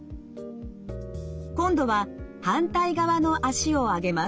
今度は反対側の脚を上げます。